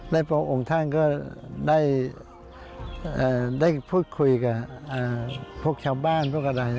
และพระองค์ท่านก็ได้พูดคุยกับพวกชาวบ้านพวกอะไร